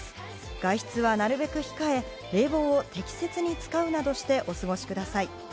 外出はなるべく控え、冷房を適切に使うなどしてお過ごしください。